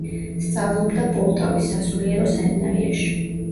სწავლობდა პოლტავის სასულიერო სემინარიაში.